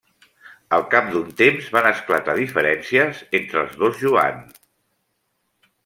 Al cap d'un temps van esclatar diferències entre els dos Joan.